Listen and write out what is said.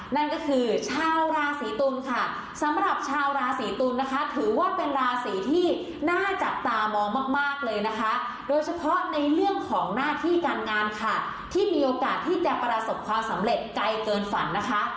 นั่นก็คือชาวราศีตุลค่ะสำหรับชาวราศีตุลนะคะถือว่าเป็นราศีที่น่าจับตามองมากเลยนะคะโดยเฉพาะในเรื่องของหน้าที่การงานค่ะที่มีโอกาสที่จะประสบความสำเร็จไกลเกินฝันนะคะ